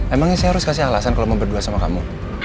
emangnya saya harus kasih alasan kalau mau berdua sama kamu